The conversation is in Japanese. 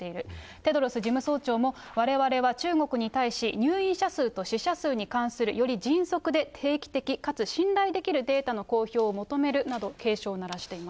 テドロス事務総長も、われわれは中国に対し、入院者数と死者数に関するより迅速で定期的、かつ信頼できるデータの公表を求めるなど、警鐘を鳴らしています。